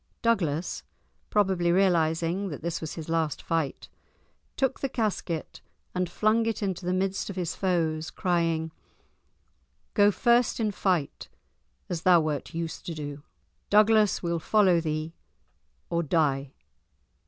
Douglas, probably realising that this was his last fight, took the casket and flung it into the midst of his foes, crying: "Go first in fight, as thou wert used to do; Douglas will follow thee or die!"